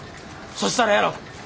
そしたらやろ。